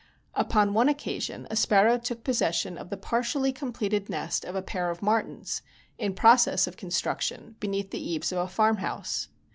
Upon one occasion a sparrow took possession of the partially completed nest of a pair of martins, in process of construction, beneath the eaves of a farmhouse.